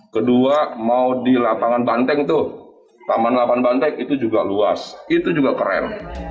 kedua mau di lapangan banteng tuh taman lapangan banteng itu juga luas itu juga keren